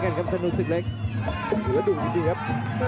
ภารุสึกเล็กดูดีดีครับ